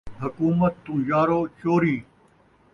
حکومت توں یارو چوری